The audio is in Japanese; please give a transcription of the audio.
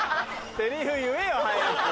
セリフ言えよ早く。